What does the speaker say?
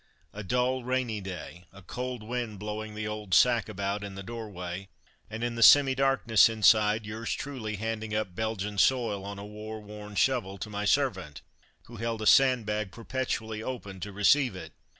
A dull, rainy day, a cold wind blowing the old sack about in the doorway, and in the semi darkness inside yours truly handing up Belgian soil on a war worn shovel to my servant, who held a sandbag perpetually open to receive it.